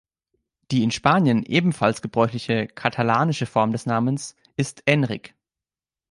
Die in Spanien ebenfalls gebräuchliche katalanische Form des Namens ist Enric.